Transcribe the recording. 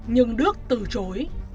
nhưng đức từ chối